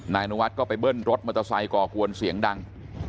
นายอนุวัฒนก็ไปเบิ้ลรถมอเตอร์ไซค์ก่อกวนเสียงดัง